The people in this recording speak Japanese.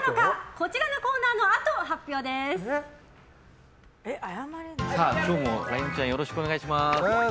こちらのコーナーのあと今日もライオンちゃんよろしくお願いします。